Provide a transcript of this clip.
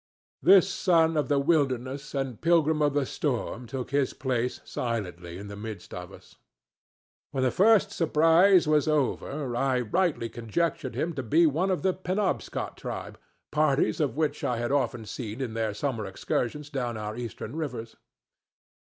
This son of the wilderness and pilgrim of the storm took his place silently in the midst of us. When the first surprise was over, I rightly conjectured him to be one of the Penobscot tribe, parties of which I had often seen in their summer excursions down our Eastern rivers.